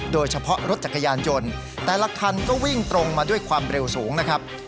โดยเฉพาะรถจักรยานยนต์แต่ละคันก็วิ่งตรงมาด้วยความเร็วสูงนะครับ